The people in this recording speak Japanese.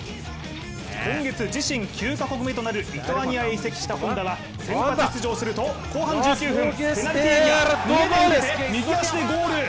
今月、自身９カ国目となるリトアニアへ移籍した本田は先発出場すると後半１９分ペナルティエリア内で、右足でゴール。